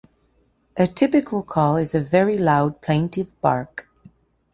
A typical call is a very loud, plaintive bark.